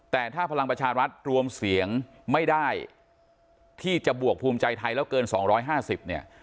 แต่ถ้าพลังประชารัฐรวมเสียงไม่ได้ที่จะบวกภูมิใจไทยแล้วเกิน๒๕๐เนี่ย